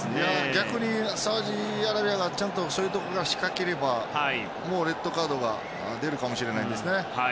逆にサウジアラビアがちゃんとそういうところで仕掛ければもうレッドカードが出るかもしれないですよね。